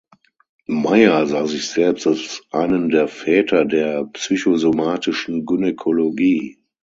Mayer sah sich selbst als einen der Väter der psychosomatischen Gynäkologie.